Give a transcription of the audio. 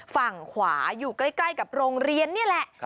ฝั่งขวาอยู่ใกล้กับโรงเรียนนี่แหละ